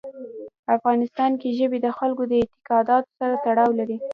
په افغانستان کې ژبې د خلکو اعتقاداتو سره تړاو لري.